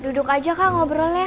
duduk aja kak ngobrolnya